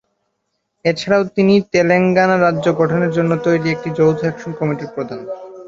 এছাড়াও তিনি তেলেঙ্গানা রাজ্য গঠনের জন্য তৈরি একটি যৌথ অ্যাকশন কমিটির প্রধান।